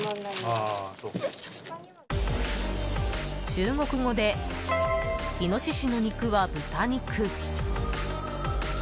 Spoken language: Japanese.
中国語でイノシシの肉は豚肉。